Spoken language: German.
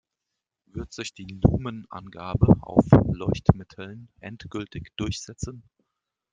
Wird sich die Lumen-Angabe auf Leuchtmitteln endgültig durchsetzen?